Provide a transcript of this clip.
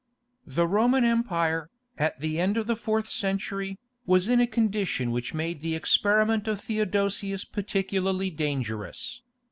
The Roman Empire, at the end of the fourth century, was in a condition which made the experiment of Theodosius particularly dangerous.